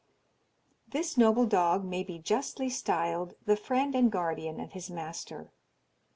This noble dog may be justly styled the friend and guardian of his master.